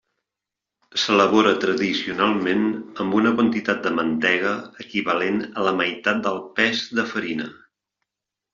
S'elabora tradicionalment amb una quantitat de mantega equivalent a la meitat del pes de farina.